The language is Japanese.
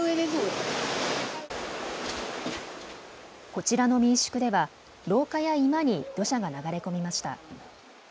こちらの民宿では廊下や居間に土砂が流れ込みました。